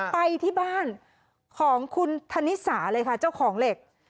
ไปที่บ้านของคุณธนิสาเลยค่ะเจ้าของเหล็ก